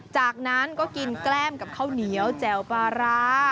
จากนั้นก็กินแกล้มกับข้าวเหนียวแจ่วปลาร้า